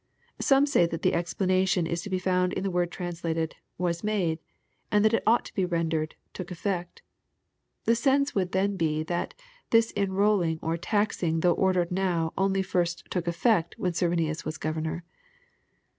Some say that the explanation is to be found in the word translated, " was made," and that it ought to be rendered, " took effect" The sense would then be, that " this enrolUng, or taxing though ordered now, only first took effect when Cyrenius was governor."